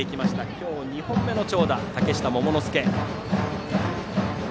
今日２本目の長打、嶽下桃之介。